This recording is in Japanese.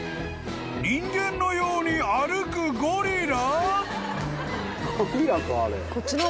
［人間のように歩くゴリラ！？］